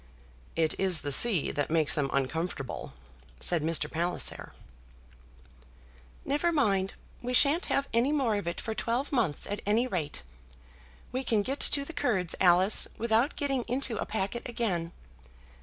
"It is the sea that makes them uncomfortable," said Mr. Palliser. "Never mind; we shan't have any more of it for twelve months, at any rate. We can get to the Kurds, Alice, without getting into a packet again.